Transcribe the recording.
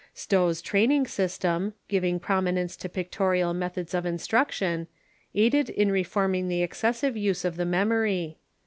Stovve's training system, giving prominence to pictorial methods of instruction, aided in reforming the excessive use of the memory.